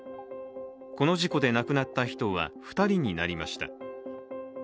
この事故で亡くなった人は２人になりました。